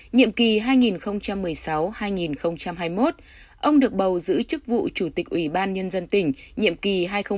nhiệm kỳ hai nghìn một mươi sáu hai nghìn hai mươi một ông được bầu giữ chức vụ chủ tịch ủy ban nhân dân tỉnh nhiệm kỳ hai nghìn một mươi sáu hai nghìn hai mươi sáu